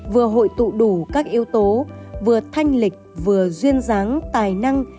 vừa hội tụ đủ các yếu tố vừa thanh lịch vừa duyên dáng tài năng